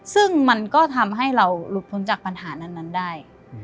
ซึ่งมันก็ทำให้เราหลุดพ้นจากปัญหานั้นได้